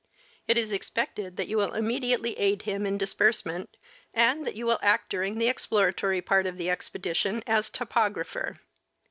It is expected that you will immediately aid him in disbursement, and that jon will act during the exploratory part of the expedition as topographer.